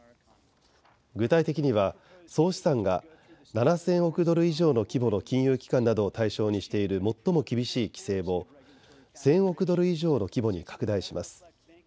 具体的には総資産が７０００億ドル以上の規模の金融機関などを対象にしている最も厳しい規制を１０００億ドル以上の規模に拡大します。